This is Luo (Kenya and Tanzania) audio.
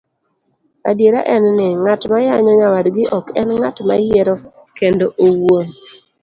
Adiera en ni, ng'at mayanyo nyawadgi ok enng'at moyiero kende owuon,